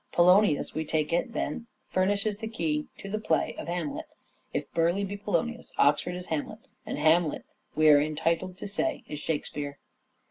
Polonius, we take it, then, furnishes the key to the play of Hamlet. If Burleigh be Polonius, Oxford is Hamlet, and Hamlet we are entitled to say is " Shakespeare."